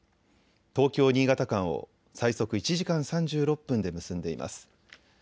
東京・新潟間を最速１時間３６分で結んでいます。